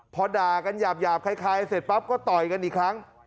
พอด่ากันหยาบคล้ายเสร็จปั๊บก็ต่อยกันอีกครั้ง